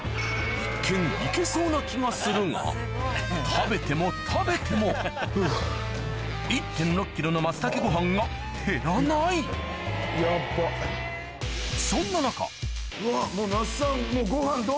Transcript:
一見行けそうな気がするが食べても食べても１．６ｋｇの松茸ご飯が減らないそんな中うわ！